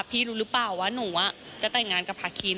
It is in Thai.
รู้หรือเปล่าว่าหนูจะแต่งงานกับพาคิน